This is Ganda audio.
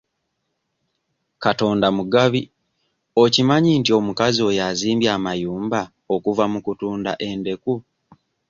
Katonda mugabi okimanyi nti omukazi oyo azimbye amayumba okuva mu kutunda endeku?